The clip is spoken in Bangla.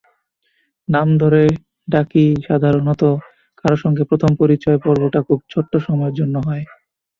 নাম ধরে ডাকিসাধারণত কারও সঙ্গে প্রথম পরিচয় পর্বটা খুব ছোট্ট সময়ের জন্য হয়।